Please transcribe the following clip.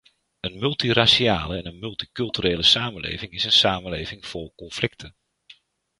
Een multiraciale en multiculturele samenleving is een samenleving vol conflicten.